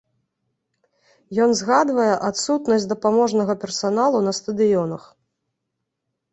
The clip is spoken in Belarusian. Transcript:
Ён згадвае адсутнасць дапаможнага персаналу на стадыёнах.